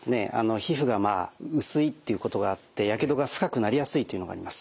皮膚が薄いっていうことがあってやけどが深くなりやすいというのがあります。